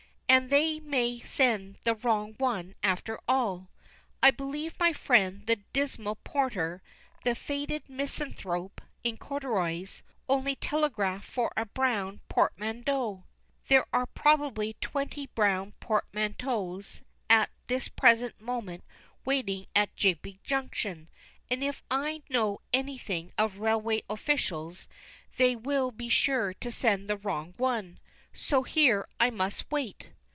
And they may send the wrong one after all. I believe my friend the dismal porter the faded misanthrope in corduroys, only telegraphed for a brown portmanteau. There are probably twenty brown portmanteaux at this present moment waiting at Jigby Junction, and if I know anything of railway officials, they will be sure to send the wrong one. So here I must wait.